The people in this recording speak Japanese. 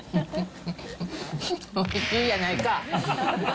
おいしいやないか！